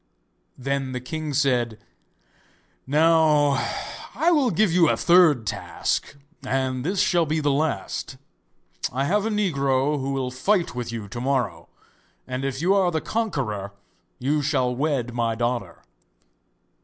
Then the king said: 'Now I will give you a third task, and this shall be the last. I have a negro who will fight with you to morrow, and if you are the conqueror you shall wed my daughter.